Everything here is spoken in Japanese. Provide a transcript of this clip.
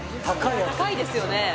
高いですよね。